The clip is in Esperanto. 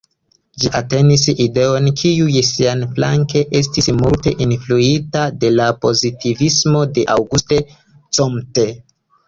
Ĝi entenis ideojn, kiuj siaflanke estis multe influitaj de la pozitivismo de Auguste Comte.